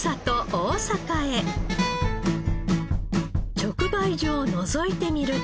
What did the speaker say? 直売所をのぞいてみると。